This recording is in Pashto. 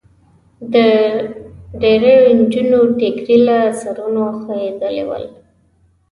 د ډېریو نجونو ټیکري له سرونو خوېدلي ول.